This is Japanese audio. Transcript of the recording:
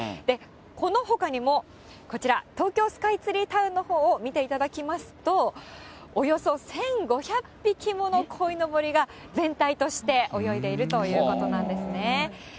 このほかにも、こちら、東京スカイツリータウンのほうを見ていただきますと、およそ１５００匹ものこいのぼりが、全体として泳いでいるということなんですね。